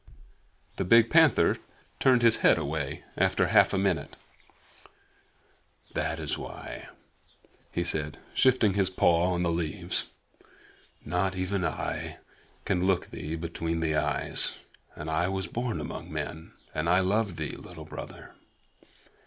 The big panther turned his head away in half a minute. "That is why," he said, shifting his paw on the leaves. "Not even I can look thee between the eyes, and I was born among men, and I love thee, Little Brother.